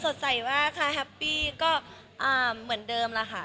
สดใสมากค่ะแฮปปี้ก็เหมือนเดิมแล้วค่ะ